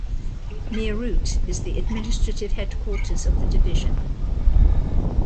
Meerut is the administrative headquarters of the division.